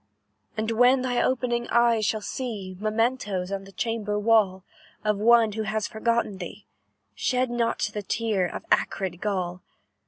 "And when thy opening eyes shall see Mementos, on the chamber wall, Of one who has forgotten thee, Shed not the tear of acrid gall.